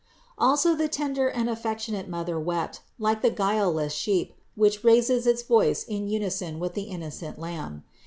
Also the tender and affectionate Mother wept, like the guileless sheep, which raises its voice in unison with the innocent lamb.